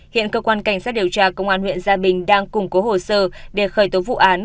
hiện cơ quan cảnh sát điều tra công an huyện gia bình đang củng cố hồ sơ để khởi tố vụ án